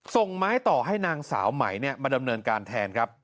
ส่งไม้ต่อให้นางสาวไหมมาดำเนินการแทนครับ